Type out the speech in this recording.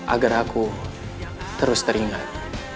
agar aku terus teringat